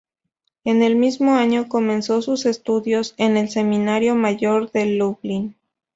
En el mismo año comenzó sus estudios en el seminario mayor de Lublin.